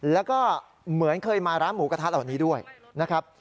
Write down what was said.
แล้วก็เหมือนเคยมาร้านหมูกระทะเหล่านี้ด้วยนะครับ